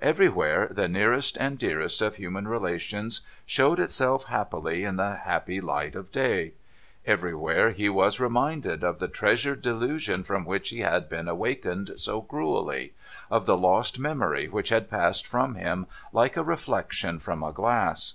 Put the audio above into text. Everywhere, the nearest and dearest of human relations showed itself happily in the "happy light of day. Everywhere, he was 5o6 NO THOROUGHFARE reminded of the treasured delusion from which he had been awakened so cruelly — of the lost memory which had passed from him like a reflection from a glass.